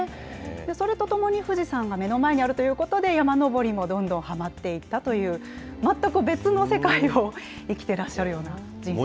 それとともに富士山が目の前にあるということで、山登りもどんどんはまっていったという、全く別の世界を生きてらっしゃるような人生。